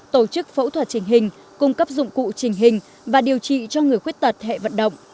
tổ chức phẫu thuật trình hình cung cấp dụng cụ trình hình và điều trị cho người khuyết tật hệ vận động